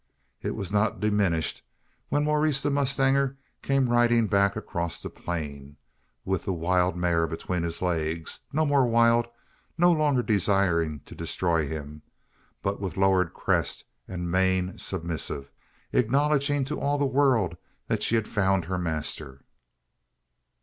It was not diminished when Maurice the mustanger came riding back across the plain, with the wild mare between his legs no more wild no longer desiring to destroy him but with lowered crest and mien submissive, acknowledging to all the world that she had found her master!